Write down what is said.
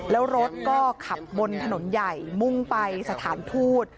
แล้วรถก็ขับบนถนนใหญ่มุ่งไปสถานทูต